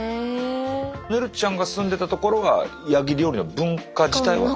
ねるちゃんが住んでた所がヤギ料理の文化自体は。